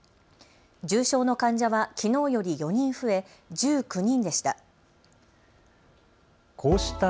重症の患者はきのうより４人増え１９人でした。